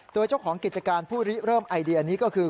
โดยเจ้าของกิจการผู้ริเริ่มไอเดียนี้ก็คือ